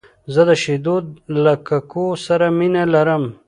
زه د شیدو له ککو سره مینه لرم .